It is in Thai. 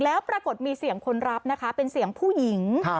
แล้วปรากฏมีเสียงคนรับนะคะเป็นเสียงผู้หญิง